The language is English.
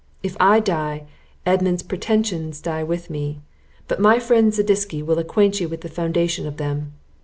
If I die, Edmund's pretensions die with me; but my friend Zadisky will acquaint you with the foundation of them.